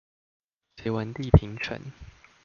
隋文帝平陳